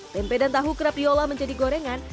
tempe dan tahu kerap diolah menjadi gorengan